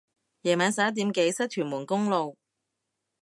夜晚十一點幾塞屯門公路